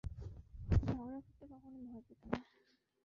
ঝগড়া করতে কখনো ভয় পেত না।